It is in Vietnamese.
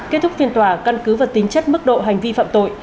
kết thúc phiên tòa căn cứ và tính chất mức độ hành vi phạm tội